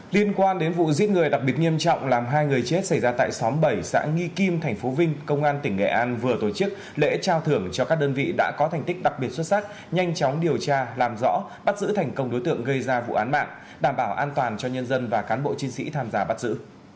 liên quan đến vụ giết người đặc biệt nghiêm trọng làm hai người chết xảy ra tại xóm bảy xã nghi kim tp vinh công an tỉnh nghệ an vừa tổ chức lễ trao thưởng cho các đơn vị đã có thành tích đặc biệt xuất sắc nhanh chóng điều tra làm rõ bắt giữ thành công đối tượng gây ra vụ án mạng đảm bảo an toàn cho nhân dân và cán bộ chiến sĩ tham gia bắt giữ